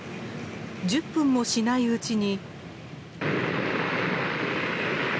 １０分もしないうちに。